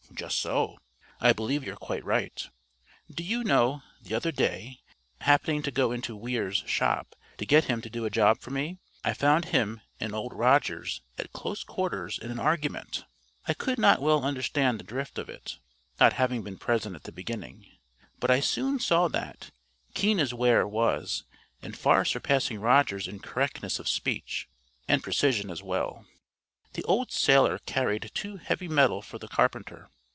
"Just so. I believe you're quite right. Do you know, the other day, happening to go into Weir's shop to get him to do a job for me, I found him and Old Rogers at close quarters in an argument? I could not well understand the drift of it, not having been present at the beginning, but I soon saw that, keen as Weir was, and far surpassing Rogers in correctness of speech, and precision as well, the old sailor carried too heavy metal for the carpenter.